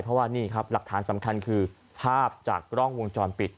เพราะว่านี่ครับหลักฐานสำคัญคือภาพจากกล้องวงจรปิด